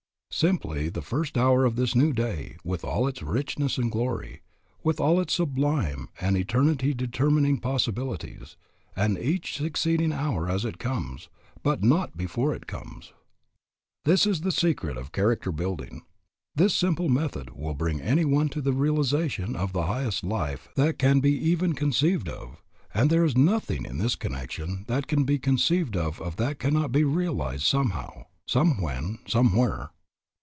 Simply the first hour of this new day, with all its richness and glory, with all its sublime and eternity determining possibilities, and each succeeding hour as it comes, but not before it comes. This is the secret of character building. This simple method will bring any one to the realization of the highest life that can be even conceived of, and there is nothing in this connection that can be conceived of that cannot be realized somehow, somewhen, somewhere.